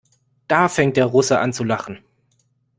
Da fängt der Russe an zu lachen.